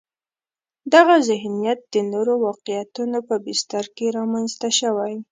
دغه ذهنیت د نورو واقعیتونو په بستر کې رامنځته شوی.